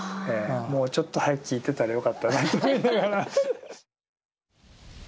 もうちょっと早く聞いてたらよかったなと思いながら。